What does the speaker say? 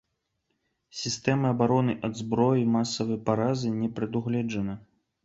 Сістэмы абароны ад зброі масавай паразы не прадугледжана.